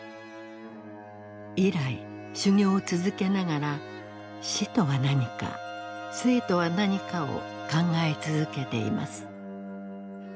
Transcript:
以来修行を続けながら死とは何か生とは何かを考え続けています。